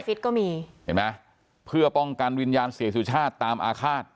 ฟิตก็มีเห็นไหมเพื่อป้องกันวิญญาณเสียสุชาติตามอาฆาต